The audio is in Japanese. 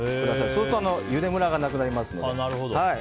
そうするとゆでむらがなくなりますので。